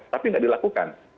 tapi nggak dilakukan